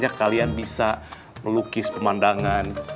kemudian bisa melukis pemandangan